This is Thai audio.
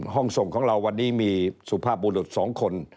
ส่งของเราวันนี้มีสุภาพบุรุษ๒คน